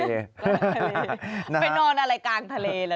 เป็นนอนอะไรกลางทะเลละ